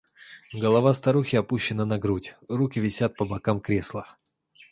Голова старухи опущена на грудь, руки висят по бокам кресла.